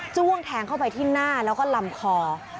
้วงแทงเข้าไปที่หน้าแล้วก็ลำคอ